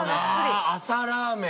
ラーメン。